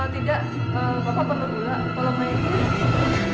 tidak bapak perlu pulang tolong main dulu